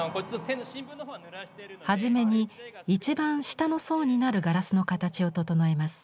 初めに一番下の層になるガラスの形を整えます。